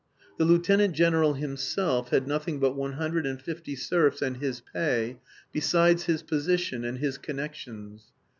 (The Lieutenant General himself had nothing but one hundred and fifty serfs and his pay, besides his position and his connections.